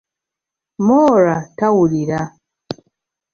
Moraa tawulira.